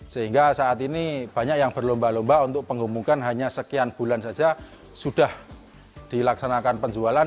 sehingga saat ini banyak yang berlomba lomba untuk penggemukan hanya sekian bulan saja sudah dilaksanakan penjualan